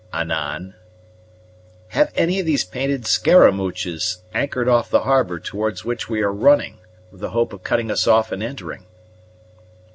"Anan?" "Have any of these painted scaramouches anchored off the harbor towards which we are running, with the hope of cutting us off in entering?"